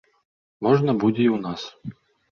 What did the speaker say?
Можна будзе і ў нас.